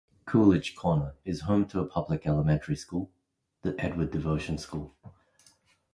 Coolidge Corner is home to a public elementary school, the Edward Devotion School.